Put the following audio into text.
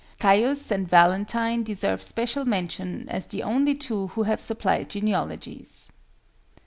CAIUS and VALENTINE deserve special mention as the only two who have supplied genealogies.